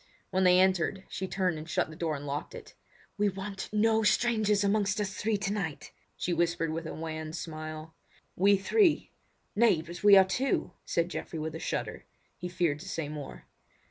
When they entered, she turned and shut the door and locked it. "We want no strangers amongst us three tonight!" she whispered with a wan smile. "We three! nay we are but two," said Geoffrey with a shudder; he feared to say more.